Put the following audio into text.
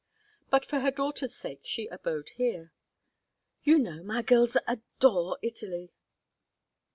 But for her daughters' sake she abode here: "You know, my gills adore Italy."